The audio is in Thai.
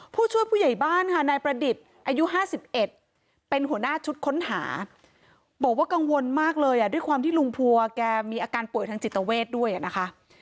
ผู้ช่วยผู้ใหญ่บ้านค่ะนายประดิษฐ์อายุ๕๑เป็นหัวหน้าชุดค้นหาบอกว่ากังวลมากเลยด้วยความที่ลุงพัวแกมีอาการป่วยทางจิตเวทด้วยนะคะ